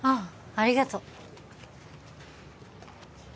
ありがとう